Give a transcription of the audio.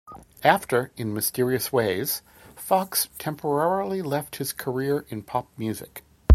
After "In Mysterious Ways", Foxx temporarily left his career in pop music.